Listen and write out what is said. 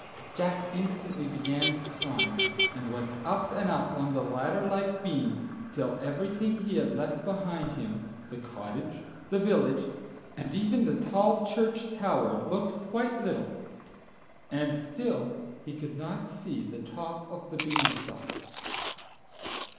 Jack instantly began to climb, and went up and up on the ladder like bean till everything he had left behind him—the cottage, the village, and even the tall church tower—looked quite little, and still he could not see the top of the Beanstalk.